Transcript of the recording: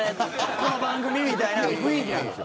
この番組みたいな雰囲気あるでしょ。